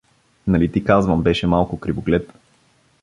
Нали ти казвам, беше малко кривоглед.